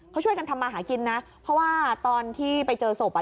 เขาช่วยกันทำมาหากินนะเพราะว่าตอนที่ไปเจอศพอ่ะ